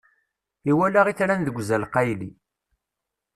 Iwala itran deg uzal qayli.